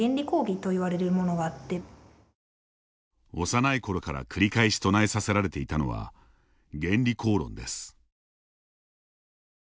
幼いころから繰り返し唱えさせられていたのは原理講論です。